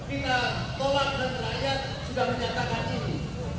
kita tolak dan rakyat sudah menyatakan ini